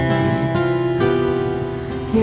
nanti balik dulu ya